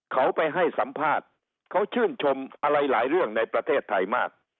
เขาไปให้สัมภาษณ์เขาชื่นชมอะไรหลายเรื่องในประเทศไทยมาก